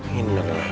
gini dong lah